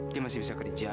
dia masih bisa kerja